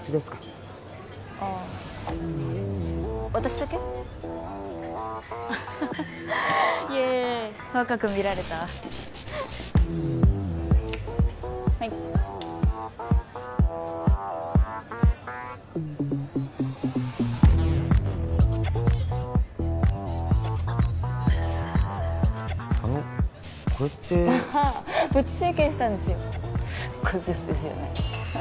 すっごいブスですよね。